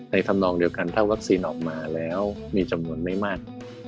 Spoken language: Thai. ทำนองเดียวกันถ้าวัคซีนออกมาแล้วมีจำนวนไม่มาก